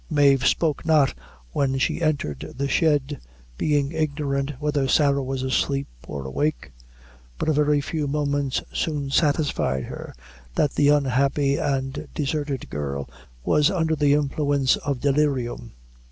Mave spoke not when she entered the shed, being ignorant whether Sarah was asleep or awake; but a very few moments soon satisfied her that the unhappy and deserted girl was under the influence of delirium.